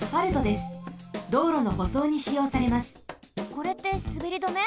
これってすべり止め？